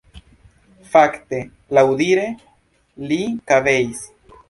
Fakte, laŭdire, li kabeis.